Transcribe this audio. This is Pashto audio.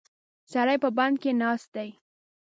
سړی په بند کې ناست دی.